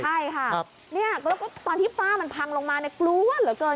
ใช่ค่ะตอนที่ฟ้ามันพังลงมาน่ะกลัวเหลือเกิน